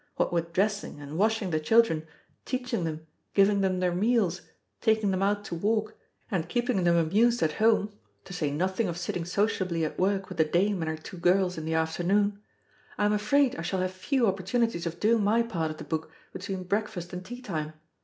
What with dressing and washing the children, teaching them, giving them their meals, taking them out to walk, and keeping them amused at home to say nothing of sitting sociably at work with the dame and her two girls in the afternoon I am afraid I shall have few opportunities of doing my part of the book between breakfast and tea time.